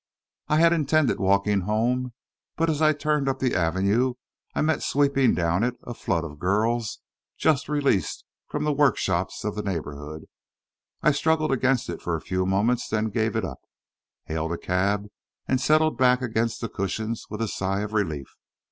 I had intended walking home, but as I turned up the Avenue, I met sweeping down it a flood of girls just released from the workshops of the neighbourhood. I struggled against it for a few moments, then gave it up, hailed a cab, and settled back against the cushions with a sigh of relief.